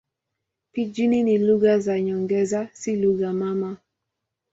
Pijini ni lugha za nyongeza, si lugha mama.